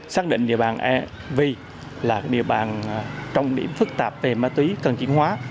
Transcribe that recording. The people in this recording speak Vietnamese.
xác định địa bàn ea vi là địa bàn trọng điểm phức tạp về ma túy cần chuyển hóa